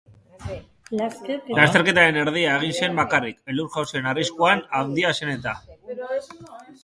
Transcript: Lasterketaren erdia egin zen bakarrik, elur-jausien arriskuan handia zen eta.